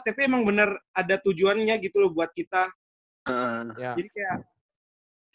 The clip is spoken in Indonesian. tapi bener ada tujuannya gitu loh buat kita jadi kayak